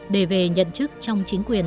để về nhận chức trong chính quyền